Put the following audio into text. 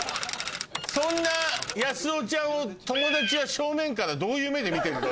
そんなやすおちゃんを友達は正面からどういう目で見てるの？